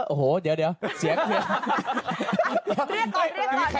โอ้โหเดี๋ยวเดี๋ยวเสียค่ะ